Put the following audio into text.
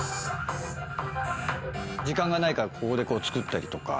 時間がないからここでこう作ったりとか。